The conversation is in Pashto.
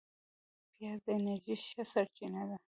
پیاز د انرژۍ ښه سرچینه ده